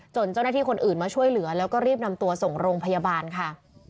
เจ้าหน้าที่คนอื่นมาช่วยเหลือแล้วก็รีบนำตัวส่งโรงพยาบาลค่ะ